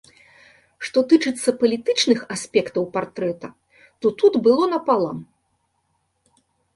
Што тычыцца палітычных аспектаў партрэта, то тут было напалам.